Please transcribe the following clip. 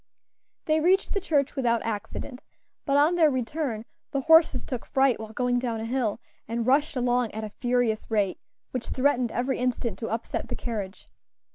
They reached the church without accident, but on their return the horses took fright while going down a hill, and rushed along at a furious rate, which threatened every instant to upset the carriage.